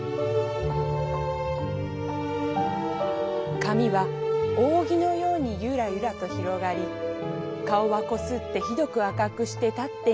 「髪は扇のようにゆらゆらとひろがり顔はこすってひどく赤くして立っています。